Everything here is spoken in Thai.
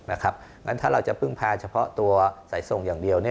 เพราะฉะนั้นถ้าเราจะพึ่งพาเฉพาะตัวสายทรงอย่างเดียว